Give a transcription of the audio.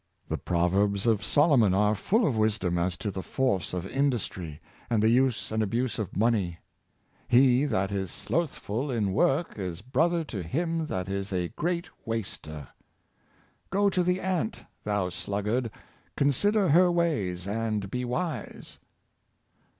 The proverbs of Solomon are full of wisdom as to the force of industry, and the use and abuse of money: —" He that is sloth ful in work is brother to him that is a great waster." " Go to the ant, thou sluggard; consider her ways, and be wise."